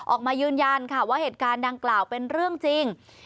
ออกมายืนยันค่ะว่าเหตุการณ์ดังกล่าวเป็นเรื่องจริง